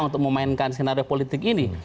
yang memainkan senarai politik ini